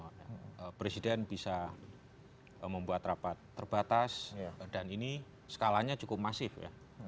nah saya ingin mengingatkan bahwa presiden bisa membuat rapat terbatas dan ini skalanya cukup masif ya